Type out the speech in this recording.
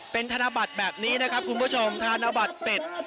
เป็นธนบัตรแบบนี้นะครับคุณผู้ชมธนบัตรเป็ด